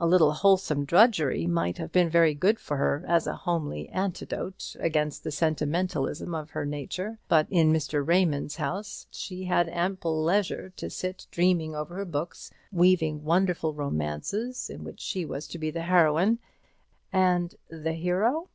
A little wholesome drudgery might have been good for her, as a homely antidote against the sentimentalism of her nature; but in Mr. Raymond's house she had ample leisure to sit dreaming over her books, weaving wonderful romances in which she was to be the heroine, and the hero